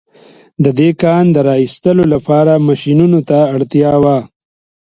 د دې کان د را ايستلو لپاره ماشينونو ته اړتيا وه.